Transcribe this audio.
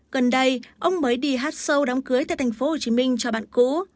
gần đây ông mới đi hát sâu đám cưới tại tp hcm cho bạn cũ